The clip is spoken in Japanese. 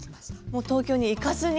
もう東京に行かずに。